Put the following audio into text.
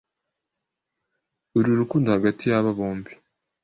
uru rukundo hagati ya aba bombi